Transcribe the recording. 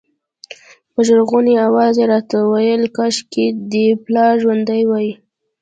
په ژړغوني اواز یې راته ویل کاشکې دې پلار ژوندی وای.